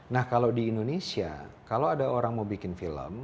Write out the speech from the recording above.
nah kalau di indonesia kalau ada orang mau bikin film